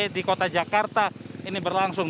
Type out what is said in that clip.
di kota jakarta ini berlangsung